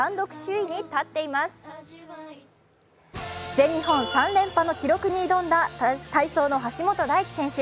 全日本３連覇の記録に挑んだ体操の橋本大輝選手。